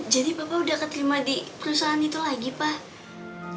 jadi papa udah keterima di perusahaan itu lagi pak